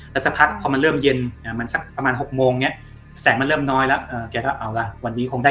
แล้วสักพักพอมันเริ่มเย็นประมาณ๖โมงแสงมันเริ่มน้อยแล้ว